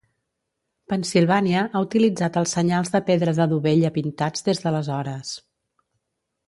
Pennsilvània ha utilitzat els senyals de pedra de dovella pintats des d'aleshores.